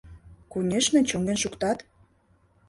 Конешне, чоҥен шуктат.